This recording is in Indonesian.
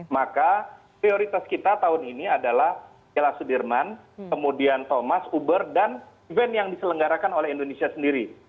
maka prioritas kita tahun ini adalah piala sudirman kemudian thomas uber dan event yang diselenggarakan oleh indonesia sendiri